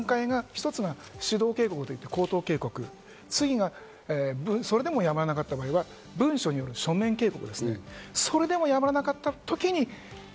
その段階が一つは指導警告と言って口頭警告、それでもやまなかった場合は文書による書面警告。